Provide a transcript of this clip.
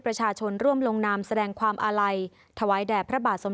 ประชาชนร่วมลงนามแสดงความอาลัยถวายแด่พระบาทสม